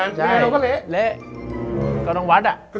เร๊กองรังวัดอะ